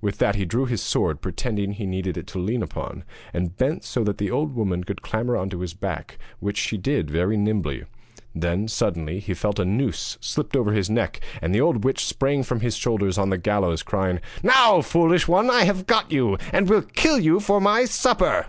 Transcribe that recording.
With that he drew his sword, pretending that he needed it to lean upon, and bent so that the old woman could clamber on to his back, which she did very nimbly. Then, suddenly, he felt a noose slipped over his neck, and the old witch sprang from his shoulders on to the gallows, crying: 'Now, foolish one, I have got you, and will kill you for my supper.'